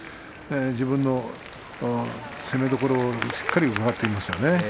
自分の攻めどころをしっかりと分かっていますね。